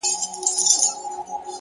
مثبت چلند زړونه نږدې کوي.